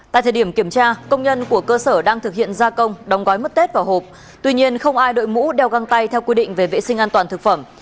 tại thời điểm kiểm tra công nhân của cơ sở đang thực hiện gia công đóng gói mứt tết vào hộp tuy nhiên không ai đội mũ đeo găng tay theo quy định về vệ sinh an toàn thực phẩm